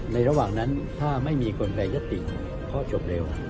ระหว่างนั้นถ้าไม่มีคนแปรยติข้อจบเร็ว